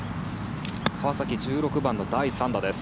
川崎、１６番の第３打です。